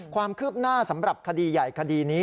ความคืบหน้าสำหรับคดีใหญ่คดีนี้